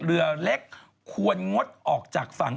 เรือเล็กควรงดออกจากฝั่ง